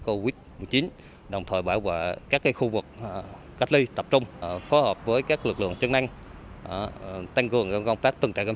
lực lượng công an thành phố tuy hòa đã phối hợp cùng với các lực lượng chứng minh của thành phố để làm tốt thực hiện tốt công tác tư triêng